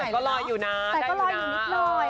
แต่ลอยอยู่นิดหน่อย